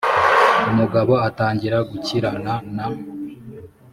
umugabo atangira gukirana na